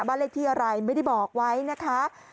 บ้านเลขที่อะไรไม่ได้บอกไว้นะคะ